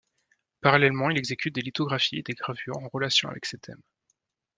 Parallèlement il exécute des lithographies et des gravures en relation avec ses thèmes.